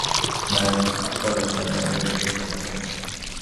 ম্যাভ বলছে ও তোমায় বাকি টাকা চোকাতে এসেছে।